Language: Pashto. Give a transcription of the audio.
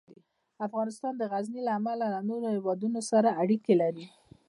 افغانستان د غزني له امله له نورو هېوادونو سره اړیکې لري.